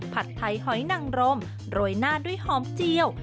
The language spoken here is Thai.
ผัดไทยหอยนังรมโรยหน้าด้วยหอมเจียว